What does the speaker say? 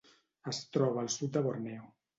Es troba al sud de Borneo.